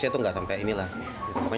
hiasan yakin tidak sampai di sini yang manis